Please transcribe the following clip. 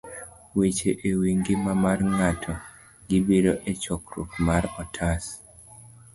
Weche e Wi Ngima mar Ng'ato.gibiro e chakruok mar otas